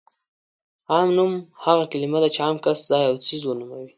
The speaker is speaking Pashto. عام نوم هغه کلمه ده چې عام کس، ځای او څیز ونوموي.